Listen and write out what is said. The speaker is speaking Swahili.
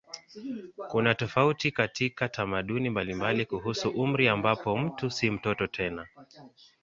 Kuna tofauti katika tamaduni mbalimbali kuhusu umri ambapo mtu si mtoto tena.